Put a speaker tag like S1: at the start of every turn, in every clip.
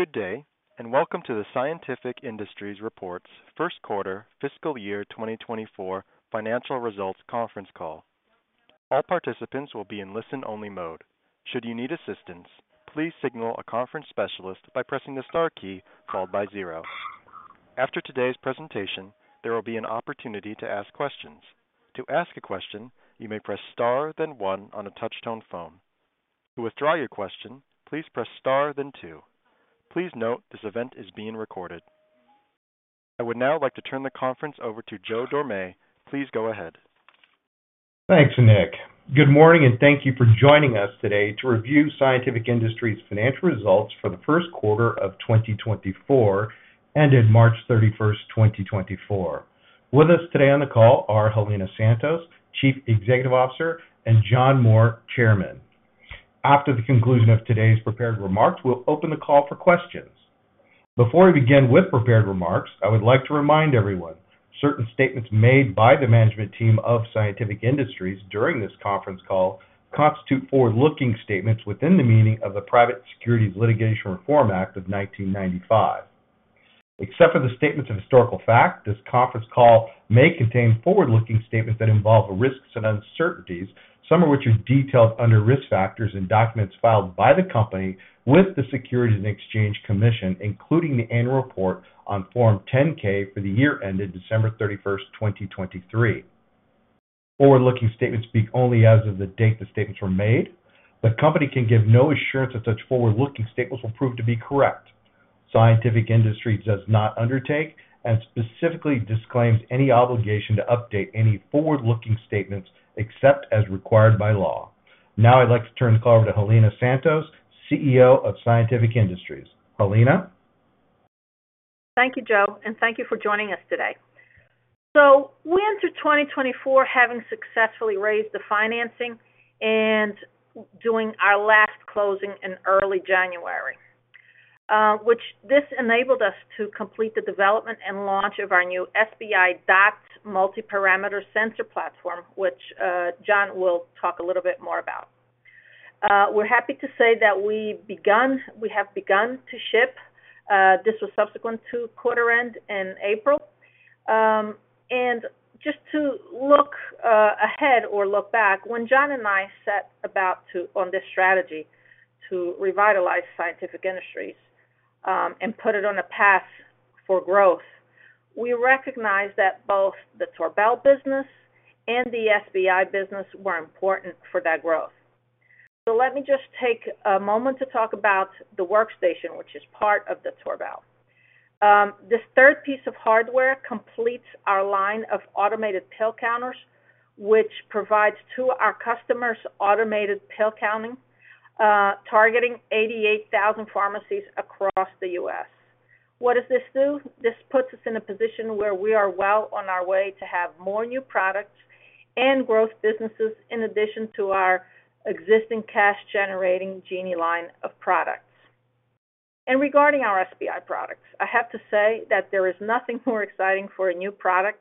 S1: Good day, and welcome to the Scientific Industries reports first quarter fiscal year 2024 financial results conference call. All participants will be in listen-only mode. Should you need assistance, please signal a conference specialist by pressing the Star key followed by zero. After today's presentation, there will be an opportunity to ask questions. To ask a question, you may press Star then one on a touch-tone phone. To withdraw your question, please press Star, then two. Please note, this event is being recorded. I would now like to turn the conference over to Joe Dorame. Please go ahead.
S2: Thanks, Nick. Good morning, and thank you for joining us today to review Scientific Industries financial results for the first quarter of 2024, ended March 31, 2024. With us today on the call are Helena Santos, Chief Executive Officer, and John Moore, Chairman. After the conclusion of today's prepared remarks, we'll open the call for questions. Before we begin with prepared remarks, I would like to remind everyone, certain statements made by the management team of Scientific Industries during this conference call constitute forward-looking statements within the meaning of the Private Securities Litigation Reform Act of 1995. Except for the statements of historical fact, this conference call may contain forward-looking statements that involve risks and uncertainties, some of which are detailed under risk factors in documents filed by the company with the Securities and Exchange Commission, including the annual report on Form 10-K for the year ended December 31, 2023. Forward-looking statements speak only as of the date the statements were made. The company can give no assurance that such forward-looking statements will prove to be correct. Scientific Industries does not undertake and specifically disclaims any obligation to update any forward-looking statements except as required by law. Now I'd like to turn the call over to Helena Santos, CEO of Scientific Industries. Helena?
S3: Thank you, Joe, and thank you for joining us today. So we entered 2024 having successfully raised the financing and doing our last closing in early January, which this enabled us to complete the development and launch of our new SBI DOTS Multi-Parameter Sensor platform, which, John will talk a little bit more about. We're happy to say that we have begun to ship. This was subsequent to quarter end in April. And just to look ahead or look back, when John and I set about on this strategy to revitalize Scientific Industries, and put it on a path for growth, we recognized that both the Torbal business and the SBI business were important for that growth. So let me just take a moment to talk about the workstation, which is part of the Torbal. This third piece of hardware completes our line of automated pill counters, which provides to our customers automated pill counting, targeting 88,000 pharmacies across the U.S. What does this do? This puts us in a position where we are well on our way to have more new products and growth businesses, in addition to our existing cash-generating Genie line of products. Regarding our SBI products, I have to say that there is nothing more exciting for a new product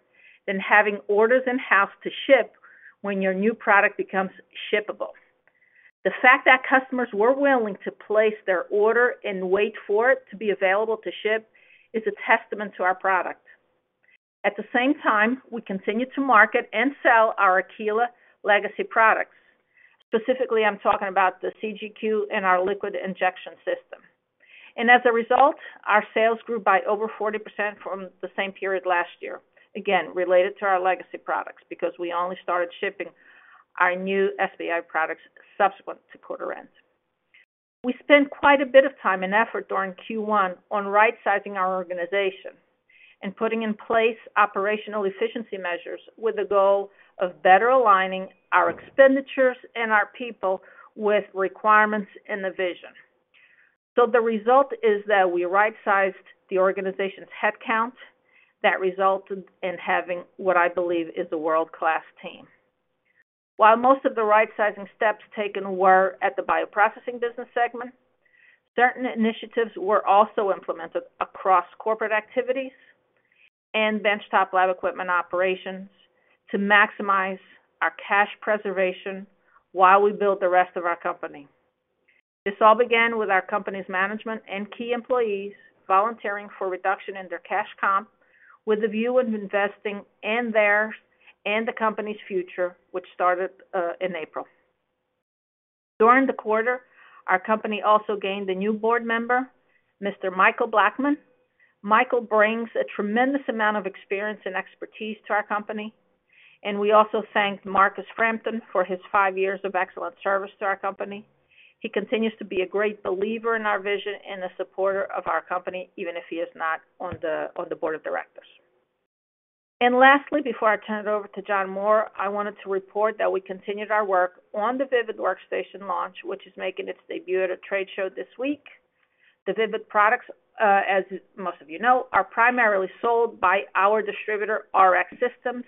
S3: than having orders in-house to ship when your new product becomes shippable. The fact that customers were willing to place their order and wait for it to be available to ship is a testament to our product. At the same time, we continue to market and sell our Aquila legacy products. Specifically, I'm talking about the CGQ and our Liquid Injection System. And as a result, our sales grew by over 40% from the same period last year. Again, related to our legacy products, because we only started shipping our new SBI products subsequent to quarter end. We spent quite a bit of time and effort during Q1 on right-sizing our organization and putting in place operational efficiency measures with the goal of better aligning our expenditures and our people with requirements and the vision. So the result is that we right-sized the organization's headcount. That resulted in having what I believe is a world-class team. While most of the right-sizing steps taken were at the bioprocessing business segment, certain initiatives were also implemented across corporate activities and benchtop lab equipment operations to maximize our cash preservation while we build the rest of our company. This all began with our company's management and key employees volunteering for reduction in their cash comp, with a view of investing in their and the company's future, which started in April. During the quarter, our company also gained a new board member, Mr. Michael Blechman. Michael brings a tremendous amount of experience and expertise to our company, and we also thank Marcus Frampton for his five years of excellent service to our company. He continues to be a great believer in our vision and a supporter of our company, even if he is not on the, on the board of directors. And lastly, before I turn it over to John Moore, I wanted to report that we continued our work on the Vivid Workstation launch, which is making its debut at a trade show this week. The Vivid products, as most of you know, are primarily sold by our distributor, Rx Systems.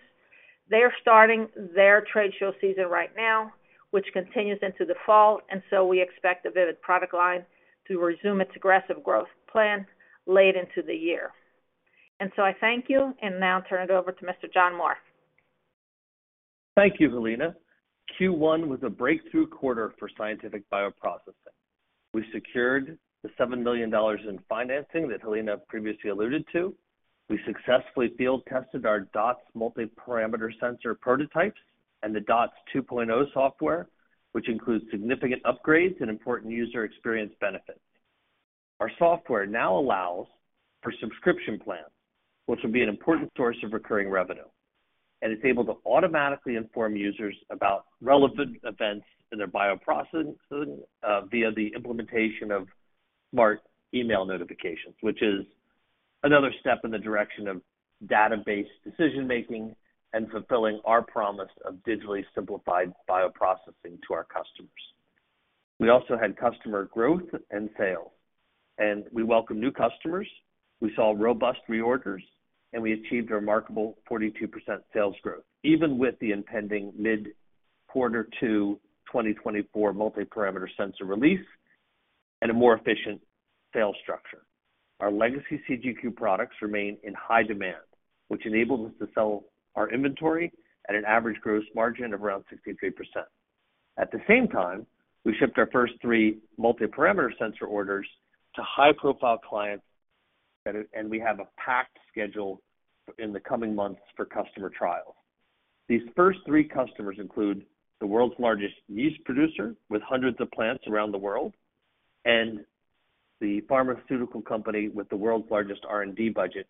S3: They are starting their trade show season right now, which continues into the fall, and so we expect the Vivid product line to resume its aggressive growth plan late into the year. And so I thank you, and now turn it over to Mr. John Moore.
S4: Thank you, Helena. Q1 was a breakthrough quarter for Scientific Bioprocessing. We secured the $7 million in financing that Helena previously alluded to. We successfully field-tested our DOTS Multi-Parameter Sensor prototypes and the DOTS 2.0 software, which includes significant upgrades and important user experience benefits. Our software now allows for subscription plans, which will be an important source of recurring revenue, and it's able to automatically inform users about relevant events in their bioprocessing via the implementation of smart email notifications, which is another step in the direction of data-based decision-making and fulfilling our promise of digitally simplified bioprocessing to our customers. We also had customer growth and sales, and we welcomed new customers. We saw robust reorders, and we achieved a remarkable 42% sales growth, even with the impending mid-quarter two 2024 multi-parameter sensor release and a more efficient sales structure. Our legacy CGQ products remain in high demand, which enables us to sell our inventory at an average gross margin of around 63%. At the same time, we shipped our first three multi-parameter sensor orders to high-profile clients, and we have a packed schedule in the coming months for customer trials. These first three customers include the world's largest niche producer, with hundreds of plants around the world, and the pharmaceutical company with the world's largest R&D budget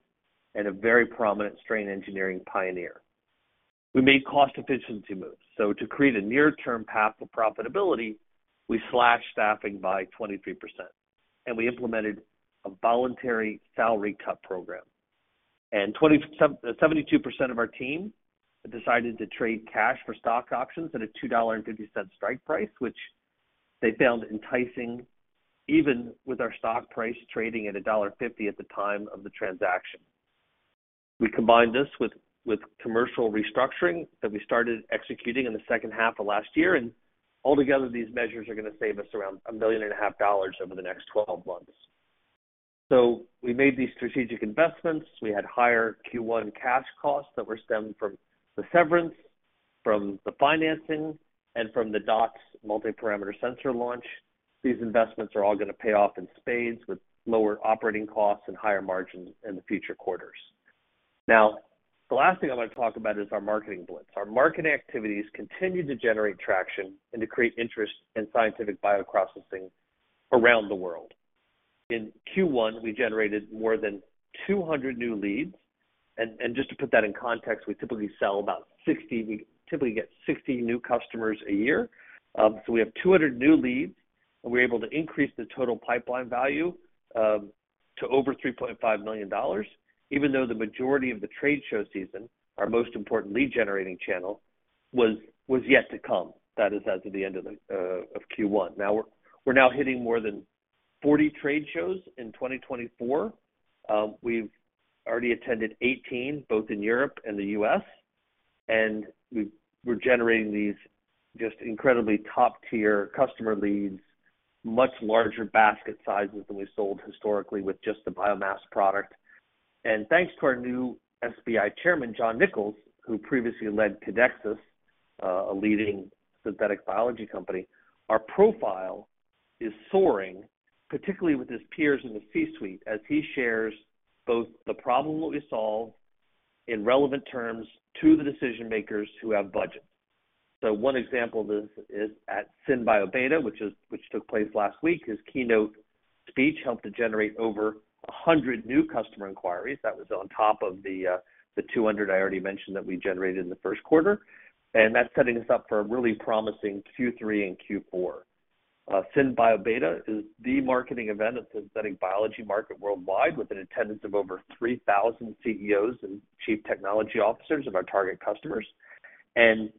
S4: and a very prominent strain engineering pioneer. We made cost efficiency moves, so to create a near-term path for profitability, we slashed staffing by 23%, and we implemented a voluntary salary cut program. 72% of our team decided to trade cash for stock options at a $2.50 strike price, which they found enticing even with our stock price trading at a $1.50 at the time of the transaction. We combined this with commercial restructuring that we started executing in the second half of last year, and altogether, these measures are going to save us around $1.5 million over the next 12 months. So we made these strategic investments. We had higher Q1 cash costs that were stemming from the severance, from the financing, and from the DOTS Multi-Parameter Sensor launch. These investments are all going to pay off in spades, with lower operating costs and higher margins in the future quarters. Now, the last thing I want to talk about is our marketing blitz. Our marketing activities continue to generate traction and to create interest in Scientific Bioprocessing around the world. In Q1, we generated more than 200 new leads, and just to put that in context, we typically get 60 new customers a year. So we have 200 new leads, and we're able to increase the total pipeline value to over $3.5 million, even though the majority of the trade show season, our most important lead-generating channel, was yet to come. That is, as of the end of Q1. Now, we're now hitting more than 40 trade shows in 2024. We've already attended 18, both in Europe and the US, and we're generating these just incredibly top-tier customer leads, much larger basket sizes than we sold historically with just the biomass product. Thanks to our new SBI chairman, John Nicols, who previously led Codexis, a leading synthetic biology company, our profile is soaring, particularly with his peers in the C-suite, as he shares both the problem that we solve in relevant terms to the decision-makers who have budgets. So one example of this is at SynBioBeta, which is, which took place last week. His keynote speech helped to generate over 100 new customer inquiries. That was on top of the 200 I already mentioned that we generated in the first quarter, and that's setting us up for a really promising Q3 and Q4. SynBioBeta is the marketing event of the synthetic biology market worldwide, with an attendance of over 3,000 CEOs and chief technology officers of our target customers. And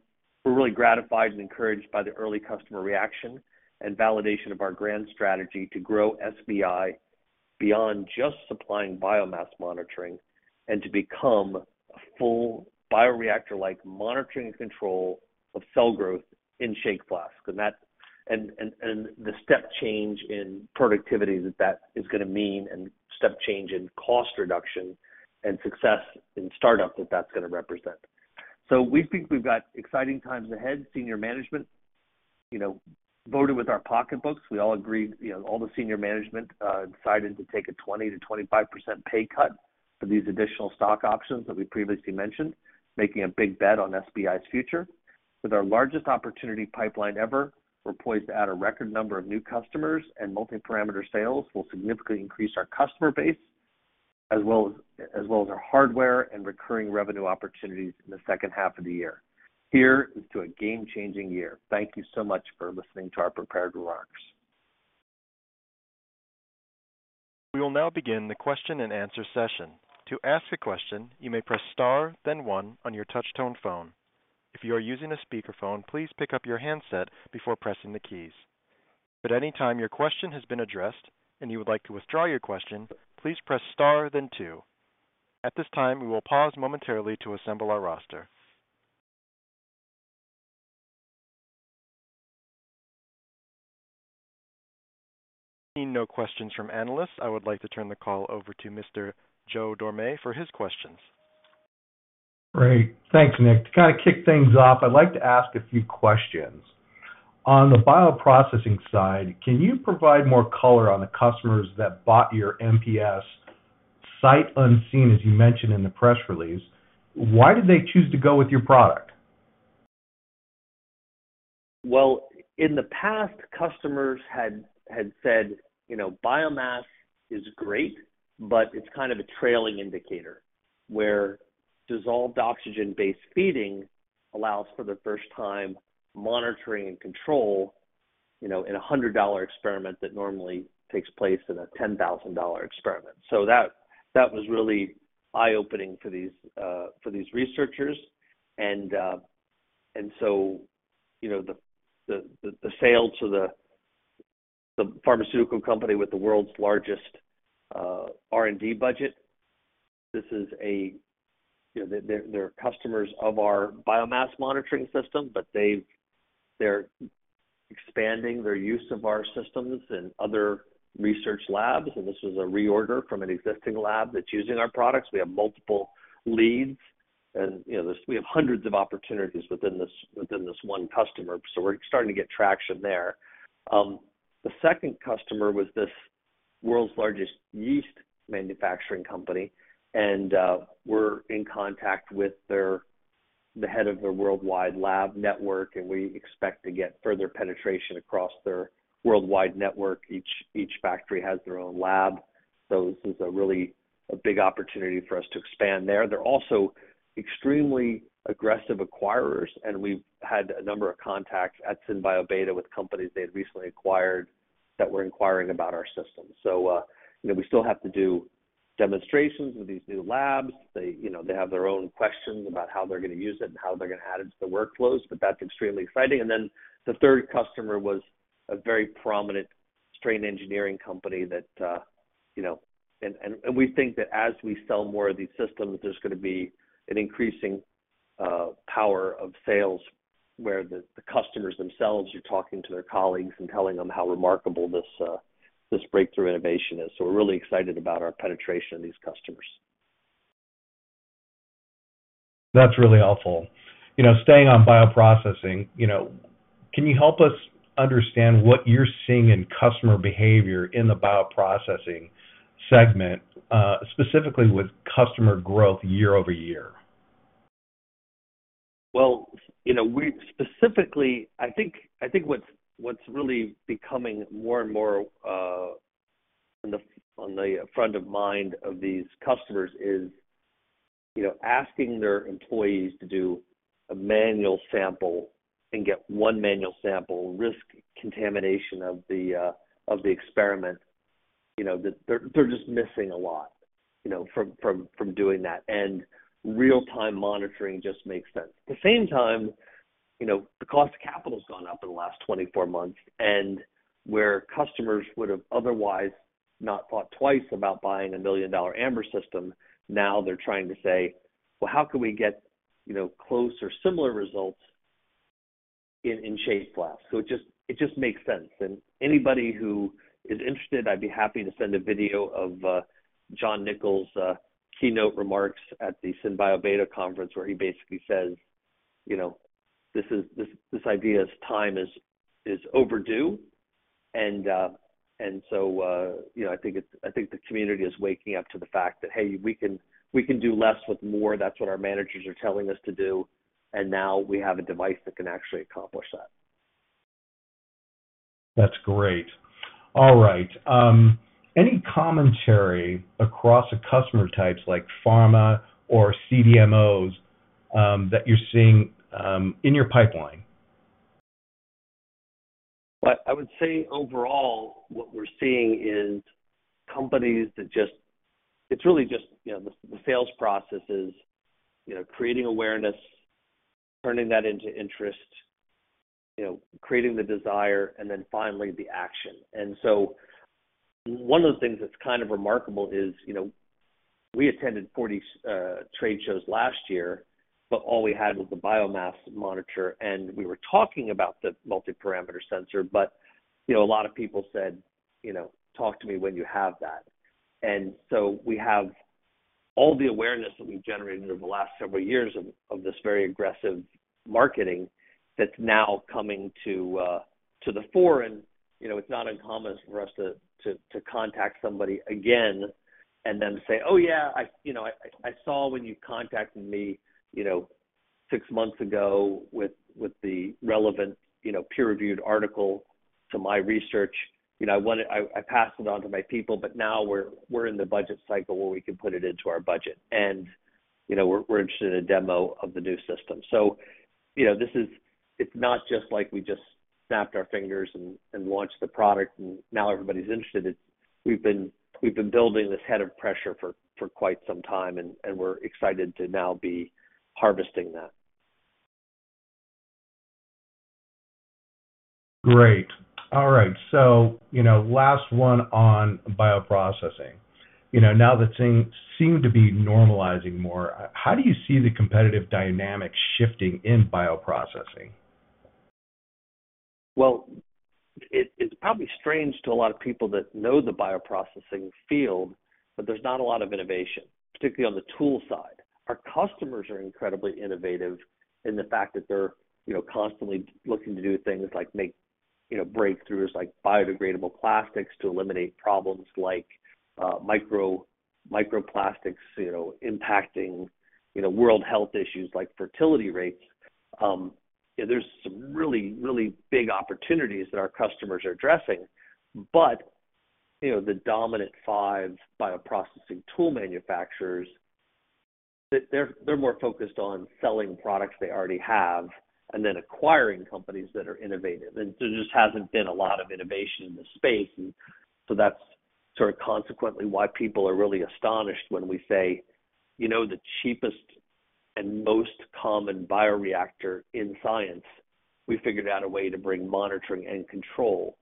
S4: we're really gratified and encouraged by the early customer reaction and validation of our grand strategy to grow SBI beyond just supplying biomass monitoring and to become a full bioreactor-like monitoring and control of cell growth in shake flasks. And the step change in productivity that is going to mean, and step change in cost reduction and success in startup that that's going to represent. So we think we've got exciting times ahead. Senior management, you know, voted with our pocketbooks. We all agreed, you know, all the senior management decided to take a 20%-25% pay cut for these additional stock options that we previously mentioned, making a big bet on SBI's future. With our largest opportunity pipeline ever, we're poised to add a record number of new customers, and multi-parameter sales will significantly increase our customer base, as well as our hardware and recurring revenue opportunities in the second half of the year. Here is to a game-changing year. Thank you so much for listening to our prepared remarks.
S1: We will now begin the question-and-answer session. To ask a question, you may press star then one on your touchtone phone. If you are using a speakerphone, please pick up your handset before pressing the keys. At any time your question has been addressed, and you would like to withdraw your question, please press star then two. At this time, we will pause momentarily to assemble our roster.... Seeing no questions from analysts, I would like to turn the call over to Mr. Joe Dorame for his questions.
S2: Great. Thanks, Nick. To kind of kick things off, I'd like to ask a few questions. On the bioprocessing side, can you provide more color on the customers that bought your MPS sight unseen, as you mentioned in the press release? Why did they choose to go with your product? Well, in the past, customers had said, you know, biomass is great, but it's kind of a trailing indicator, where dissolved oxygen-based feeding allows for the first time, monitoring and control, you know, in a $100 experiment that normally takes place in a $10,000 experiment. So that was really eye-opening for these researchers. And so, you know, the sale to the pharmaceutical company with the world's largest R&D budget, this is a, you know, they're customers of our biomass monitoring system, but they've—they're expanding their use of our systems in other research labs, and this is a reorder from an existing lab that's using our products. We have multiple leads and, you know, this—we have hundreds of opportunities within this one customer, so we're starting to get traction there. The second customer was this world's largest yeast manufacturing company, and we're in contact with their, the head of their worldwide lab network, and we expect to get further penetration across their worldwide network. Each factory has their own lab, so this is a really big opportunity for us to expand there. They're also extremely aggressive acquirers, and we've had a number of contacts at SynBioBeta with companies they had recently acquired that were inquiring about our system. So, you know, we still have to do demonstrations with these new labs. They, you know, they have their own questions about how they're going to use it and how they're going to add it to the workflows, but that's extremely exciting. And then, the third customer was a very prominent strain engineering company that, you know... And we think that as we sell more of these systems, there's going to be an increasing power of sales, where the customers themselves are talking to their colleagues and telling them how remarkable this this breakthrough innovation is. So we're really excited about our penetration of these customers. That's really helpful. You know, staying on bioprocessing, you know, can you help us understand what you're seeing in customer behavior in the bioprocessing segment, specifically with customer growth year-over-year?
S4: Well, you know, we specifically—I think, I think what's, what's really becoming more and more, on the, on the front of mind of these customers is, you know, asking their employees to do a manual sample and get one manual sample, risk contamination of the, of the experiment. You know, they're, they're just missing a lot, you know, from, from, from doing that, and real-time monitoring just makes sense. At the same time, you know, the cost of capital has gone up in the last 24 months, and where customers would have otherwise not thought twice about buying a $1 million Ambr system, now they're trying to say, "Well, how can we get, you know, close or similar results in, in shake flasks?" So it just, it just makes sense. Anybody who is interested, I'd be happy to send a video of John Nicols' keynote remarks at the SynBioBeta conference, where he basically says, you know, this idea of time is overdue. And so, you know, I think the community is waking up to the fact that, hey, we can do less with more. That's what our managers are telling us to do, and now we have a device that can actually accomplish that.
S2: That's great. All right. Any commentary across the customer types like pharma or CDMOs, that you're seeing, in your pipeline?
S4: Well, I would say overall, what we're seeing is companies that just, it's really just, you know, the sales process is, you know, creating awareness, turning that into interest, you know, creating the desire, and then finally, the action. And so one of the things that's kind of remarkable is, you know, we attended 40 trade shows last year, but all we had was the biomass monitor, and we were talking about the multi-parameter sensor. But, you know, a lot of people said, you know, "Talk to me when you have that." And so we have all the awareness that we've generated over the last several years of this very aggressive marketing that's now coming to the fore, and, you know, it's not uncommon for us to contact somebody again and then say, "Oh, yeah, you know, I saw when you contacted me, you know, six months ago with the relevant, you know, peer-reviewed article to my research. You know, I wanted... I passed it on to my people, but now we're in the budget cycle where we can put it into our budget. You know, we're interested in a demo of the new system." So, you know, this is. It's not just like we just snapped our fingers and launched the product and now everybody's interested in it. We've been building this head of pressure for quite some time, and we're excited to now be harvesting that.
S2: Great. All right, so, you know, last one on bioprocessing. You know, now that things seem to be normalizing more, how do you see the competitive dynamic shifting in bioprocessing?
S4: ...Well, it's probably strange to a lot of people that know the bioprocessing field, but there's not a lot of innovation, particularly on the tool side. Our customers are incredibly innovative in the fact that they're, you know, constantly looking to do things like make, you know, breakthroughs like biodegradable plastics to eliminate problems like microplastics, you know, impacting, you know, world health issues like fertility rates. There's some really, really big opportunities that our customers are addressing. But, you know, the dominant five bioprocessing tool manufacturers, they're more focused on selling products they already have and then acquiring companies that are innovative. And there just hasn't been a lot of innovation in the space. So that's sort of consequently why people are really astonished when we say, you know, the cheapest and most common bioreactor in science, we figured out a way to bring monitoring and control.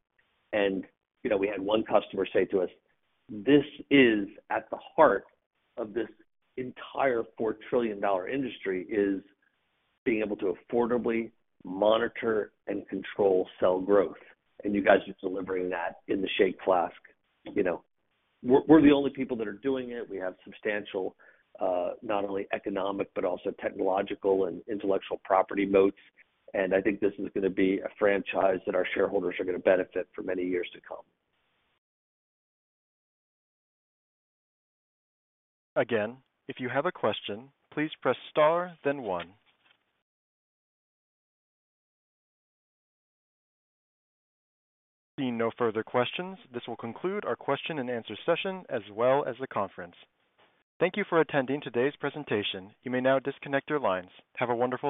S4: And, you know, we had one customer say to us, "This is at the heart of this entire $4 trillion industry, is being able to affordably monitor and control cell growth, and you guys are delivering that in the shake flask." You know, we're the only people that are doing it. We have substantial, not only economic, but also technological and intellectual property moats, and I think this is gonna be a franchise that our shareholders are gonna benefit for many years to come.
S1: Again, if you have a question, please press star, then one. Seeing no further questions, this will conclude our question and answer session, as well as the conference. Thank you for attending today's presentation. You may now disconnect your lines. Have a wonderful day.